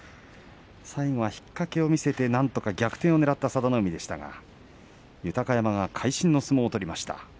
最後は引っかけを見せてなんとか逆転を見せた佐田の海でしたが、豊山が会心の相撲を取りました。